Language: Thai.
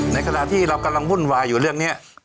ในขณะที่เรากำลังวุ่นวายอยู่เรื่องนี้